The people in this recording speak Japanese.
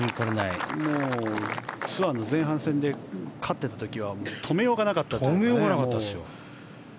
ツアーの前半戦で勝っている時は止めようがなかったですからね。